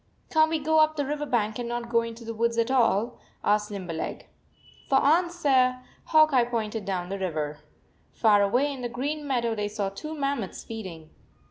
11 Can t we go up the river bank and not go into the woods at all?" asked Limber leg. For answer Hawk Eye pointed down the river. Far away in the green meadow they saw two mammoths feeding.